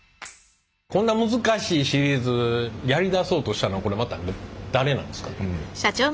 こんな難しいシリーズやりだそうとしたのはこれまた誰なんですか？